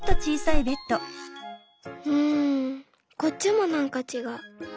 「うんこっちもなんかちがう」。